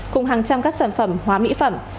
cùng hàng trăm các sản phẩm hóa mỹ phẩm